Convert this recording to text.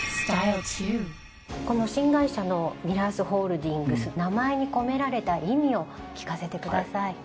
この新会社のＭＩＲＡＲＴＨホールディングス名前に込められた意味を聞かせてください。